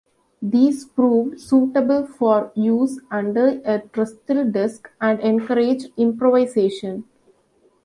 These proved suitable for use under a trestle desk and encouraged improvisation.